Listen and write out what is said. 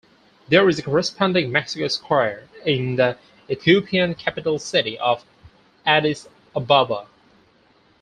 There is a corresponding Mexico Square in the Ethiopian capital city of Addis Ababa.